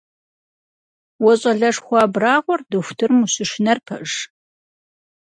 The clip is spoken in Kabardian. Уэ щӏалэшхуэ абрагъуэр дохутырым ущышынэр пэж?